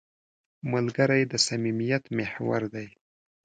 ملګری د صمیمیت محور دی